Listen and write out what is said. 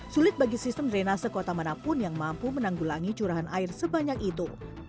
sulit bagi sistem drenase kota manapun yang mampu menanggulangi curahan air sebanyak itu